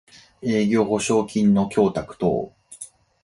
営業保証金の供託等